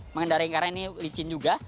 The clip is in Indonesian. mengendara yang karena ini licin juga